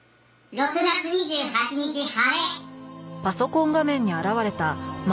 ６月２８日晴れ！」